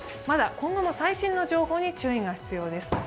まだ今後も最新の情報に注意が必要です。